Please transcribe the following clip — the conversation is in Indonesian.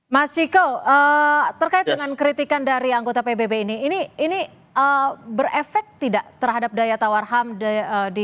mas ciko terkait dengan kritikan dari anggota pbb ini ini berefek tidak terhadap daya tawar ham di indonesia